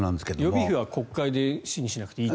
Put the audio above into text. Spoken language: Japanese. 予備費は国会で審議しないでいいと。